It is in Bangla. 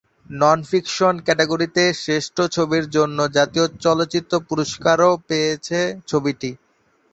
নন-ফিকশন ক্যাটাগরিতে শ্রেষ্ঠ ছবির জন্য জাতীয় চলচ্চিত্র পুরস্কারও পেয়েছে ছবিটি।